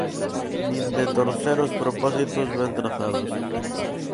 Nin de torcer os propósitos ben trazados.